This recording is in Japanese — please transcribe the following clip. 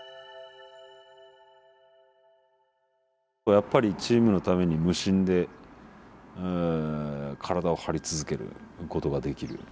やっぱりチームのために無心で体を張り続けることができる。